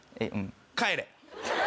帰れ。